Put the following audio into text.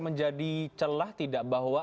menjadi celah tidak bahwa